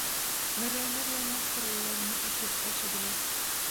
Mergenler ýene hyrlylaryny işledip başladylar.